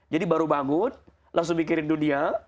jadi baru bangun langsung mikirin dunia